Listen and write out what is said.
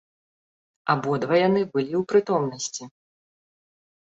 Абодва яны былі ў прытомнасці.